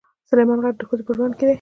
سلیمان غر د ښځو په ژوند کې دي.